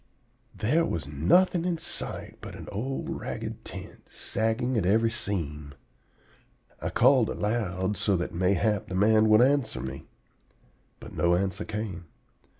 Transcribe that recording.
"There was nothing in sight but an old ragged tent, sagging at every seam. I called aloud so that mayhap the man would answer me. But no answer came.